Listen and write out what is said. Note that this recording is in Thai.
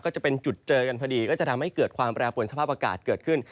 ก็จะเป็นจุดเจอกันพอดีก็จะทำให้เกิดความแปรปวนสภาพอากาศเกิดขึ้น